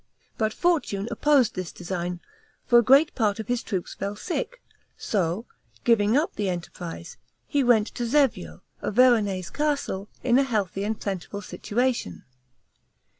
But fortune opposed this design, for a great part of his troops fell sick; so, giving up the enterprise, he went to Zevio, a Veronese castle, in a healthy and plentiful situation.